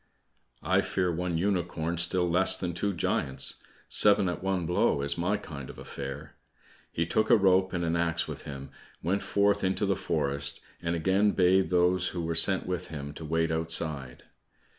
"I fear one unicorn still less than two giants. Seven at one blow, is my kind of affair." He took a rope and an axe with him, went forth into the forest, and again bade those who were sent with him to wait outside.